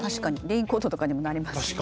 レインコートとかにもなりますしね。